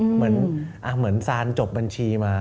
เหมือนซานจบบัญชีมา